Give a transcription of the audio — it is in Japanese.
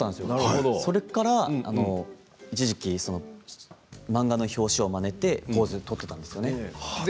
それから一時期漫画の表紙をまねてポーズを取っていたんです。